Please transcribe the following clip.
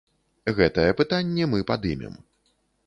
Гэтае пытанне мы падымем.